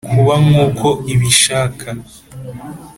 kuba nk’uko ibishaka